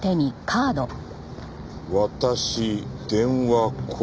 「私電話光」？